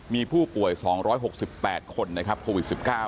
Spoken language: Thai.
มีผู้ป่วย๒๖๘คนนะครับโควิด๑๙